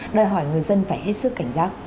đòi hỏi người dân phải hết sức cảnh giác